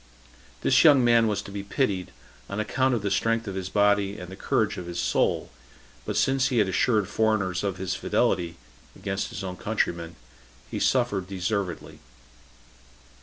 This young man was to be pitied, on account of the strength of his body and the courage of his soul; but since he had assured foreigners of his fidelity [against his own countrymen], he suffered deservedly.